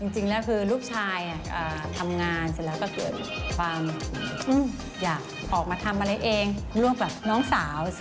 ชื่อร้านหล่อเนี่ยการ์เดนโด๊ะ